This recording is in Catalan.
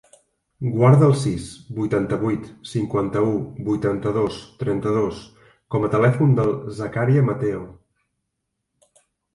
Guarda el sis, vuitanta-vuit, cinquanta-u, vuitanta-dos, trenta-dos com a telèfon del Zakaria Mateo.